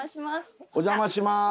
お邪魔します。